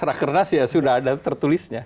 rakernas ya sudah ada tertulisnya